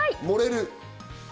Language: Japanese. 盛れる。